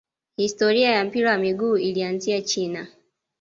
historia ya mpira wa miguu ilianzia china